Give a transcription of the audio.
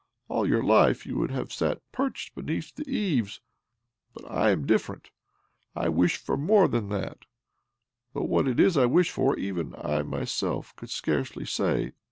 All your life you would have sat perched beneath the eaves. But I am different — I wish for more than that ; though what it is I wish for even I myself could scarcely say.